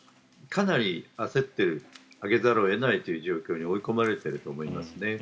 かなり焦っている上げざるを得ないという状況に追い込まれていると思います。